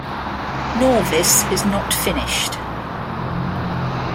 Norvis is not finished.